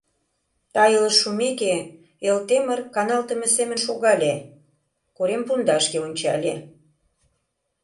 Тайылыш шумеке, Элтемыр каналтыме семын шогале, корем пундашке ончале.